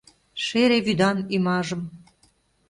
Шере вӱдан ӱмажым